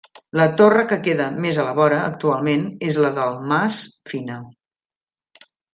La torre que queda més a la vora, actualment, és la del Mas Fina.